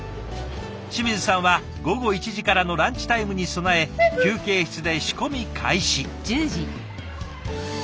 清水さんは午後１時からのランチタイムに備え休憩室で仕込み開始。